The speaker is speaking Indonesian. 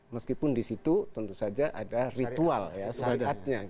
meskipun di situ tentu saja ada perbedaan